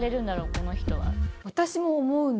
この人は。